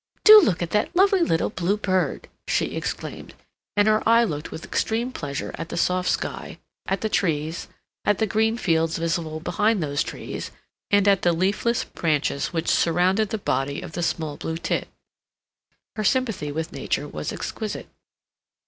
"Do look at that lovely little blue bird!" she exclaimed, and her eye looked with extreme pleasure at the soft sky. at the trees, at the green fields visible behind those trees, and at the leafless branches which surrounded the body of the small blue tit. Her sympathy with nature was exquisite.